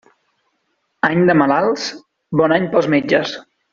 Any de malalts, bon any pels metges.